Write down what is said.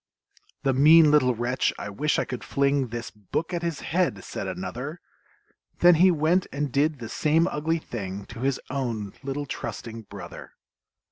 "The mean little wretch, I wish I could fling This book at his head!" said another; Then he went and did the same ugly thing To his own little trusting brother!